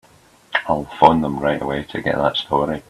I'll phone them right away to get that story.